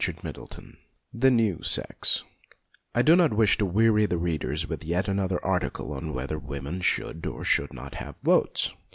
XVII THE NEW SEX I DO not wish to weary readers with yet another article on whether women should or should not have votes.